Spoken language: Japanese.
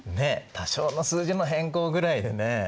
多少の数字の変更ぐらいでね